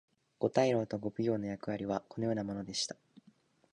五大老と五奉行の役割はこのようなものでした。